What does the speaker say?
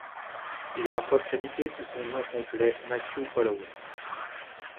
Il est parfois crédité sous son nom complet Matthew Holloway.